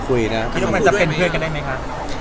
คิดว่ามันจะเป็นเพื่อนกันได้ไหมคะ